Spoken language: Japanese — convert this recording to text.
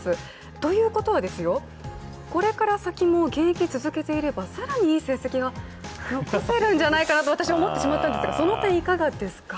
ということは、これから先も現役続けていれば更にいい成績が残せるんじゃないかなと私、思ってしまったんですが、その点、いかがですか。